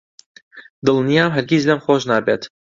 دڵنیام هەرگیز لێم خۆش نابێت.